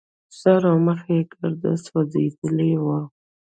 سر او مخ يې ګرده سوځېدلي وو.